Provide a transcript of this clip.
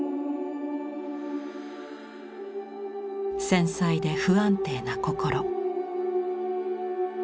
繊細で不安定な心。